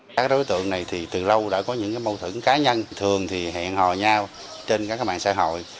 các đối tượng này thì từ lâu đã có những mâu thửng cá nhân thường thì hẹn hò nhau trên các mạng xã hội